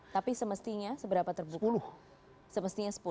tapi semestinya seberapa terbuka